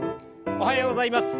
おはようございます。